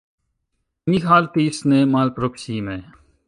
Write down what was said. Mi haltis nemalproksime.